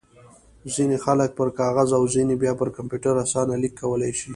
ځينې خلک پر کاغذ او ځينې بيا پر کمپيوټر اسانه ليک کولای شي.